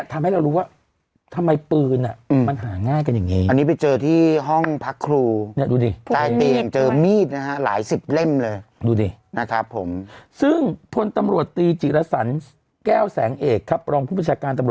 อย่างนี้คือยิ่งปืนขึ้นฟ้า